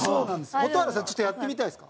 蛍原さん、ちょっとやってみたいですか？